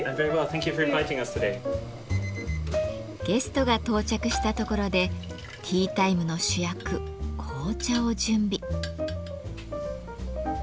ゲストが到着したところでティータイムの主役紅茶を準備。